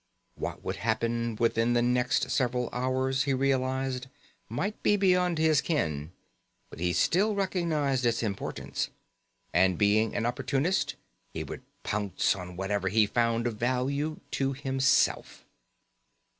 What would happen within the next several hours, he realized, might be beyond his ken, but he still recognized its importance. And, being an opportunist, he would pounce on whatever he found of value to himself....